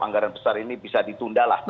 anggaran besar ini bisa ditunda lah